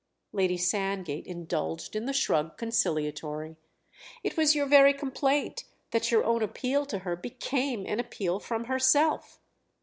Lady Sandgate indulged in the shrug conciliatory. "It was your very complaint that your own appeal to her became an appeal from herself."